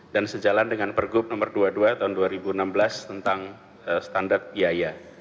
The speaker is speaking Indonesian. dan sejalan dengan pergub nomor dua puluh dua tahun dua ribu enam belas tentang standar biaya